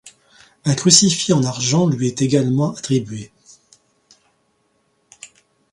Un crucifix en argent lui est également attribué.